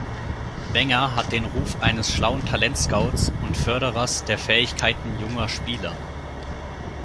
Wenger hat den Ruf eines schlauen Talent-Scouts und Förderers der Fähigkeiten junger Spieler.